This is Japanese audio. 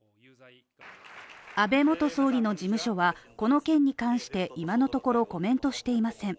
安倍元総理の事務所はこの件に関して今のところコメントしていません。